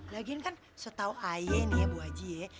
lagian kan setahu ayah ini ya bu haji ya